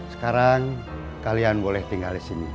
sekarang kalian boleh tinggal di sini